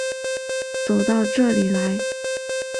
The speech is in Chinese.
走到这里来